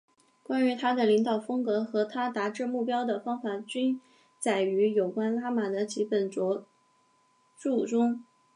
关于他的领导风格和他达至目标的方法均载于有关拉玛的几本着作中。